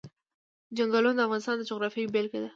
چنګلونه د افغانستان د جغرافیې بېلګه ده.